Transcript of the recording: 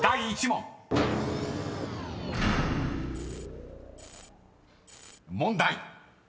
［問題］